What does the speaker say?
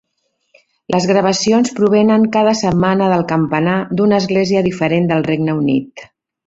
Les gravacions provenen cada setmana del campanar d'una església diferent del Regne Unit.